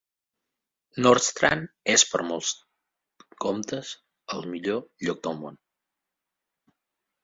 Nordstrand és, per molts comptes, el millor lloc del món.